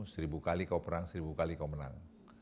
seribu kali kau perang seribu kali kau menang